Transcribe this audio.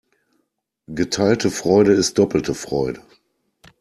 Geteilte Freude ist doppelte Freude.